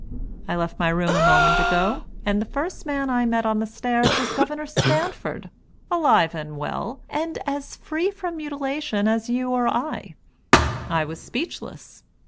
I left my room a moment ago, and the first man I met on the stairs was Gov. Stanford, alive and well, and as free from mutilation as you or I. I was speechless.